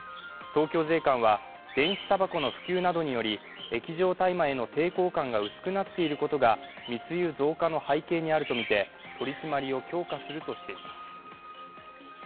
東京税関は、電子たばこの普及などにより液状大麻への抵抗感が薄くなっていることが密輸増加の背景にあるとみて取り締まりを強化するとしています。